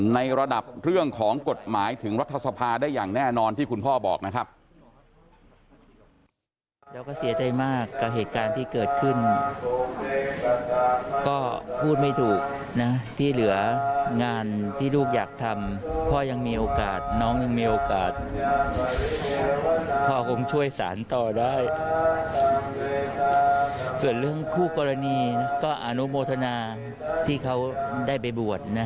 ในระดับเรื่องของกฎหมายถึงรัฐสภาได้อย่างแน่นอนที่คุณพ่อบอกนะครับ